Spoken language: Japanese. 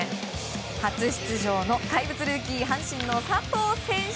初出場の怪物ルーキー阪神の佐藤選手。